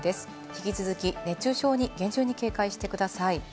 引き続き熱中症に厳重に警戒してください。